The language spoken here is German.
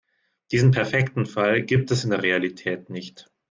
Diesen perfekten Fall gibt es in der Realität nicht.